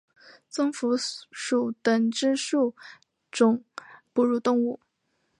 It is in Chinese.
棕蝠属等之数种哺乳动物。